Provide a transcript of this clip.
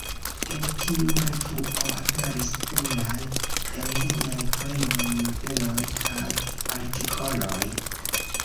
En tiu revuo aperis pluraj el liaj poemoj, noveloj kaj artikoloj.